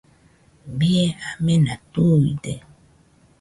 Bie amena tuide